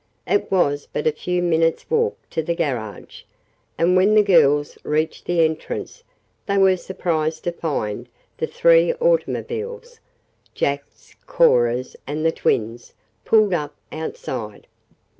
It was but a few minutes' walk to the garage, and when the girls reached the entrance they were surprised to find the three automobiles, Jack's, Cora's and the twins' pulled up outside.